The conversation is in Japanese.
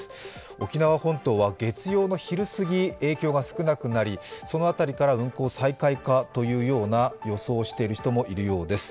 沖縄本島は月曜の昼過ぎ影響が少なくなりその辺りから運航再開かというような予想をしている人もいるようです。